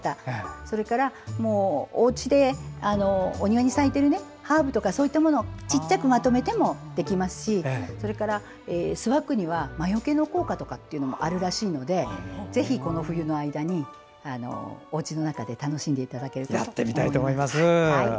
それから、おうちのお庭に咲いているハーブやそういったものを小さくまとめてもできますしスワッグには魔よけの効果もあるらしいのでぜひ、この冬の間におうちの中で楽しんでいただけるとやってみたいと思います。